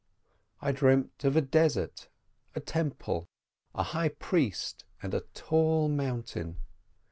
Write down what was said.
I dreamt of a desert, a temple, a high priest, and a tall mountain.